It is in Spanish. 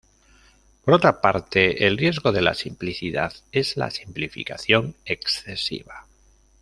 Por otra parte, el riesgo de la simplicidad es la simplificación excesiva.